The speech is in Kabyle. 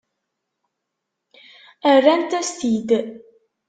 Rrant-as-t-id.